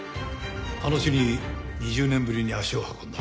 あの地に２０年ぶりに足を運んだ。